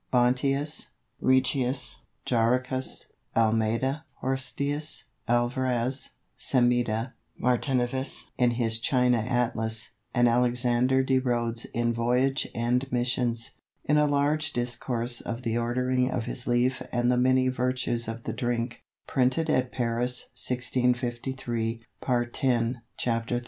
Bontius, Riccius, Jarricas, Almeyda, Horstius, Alvarez, Sameda, Martinivus in his China Atlas, and Alexander de Rhodes in Voyage and Missions, in a large discourse of the ordering of this leaf and the many vertues of the drink; printed at Paris, 1653, part x. chap. 13.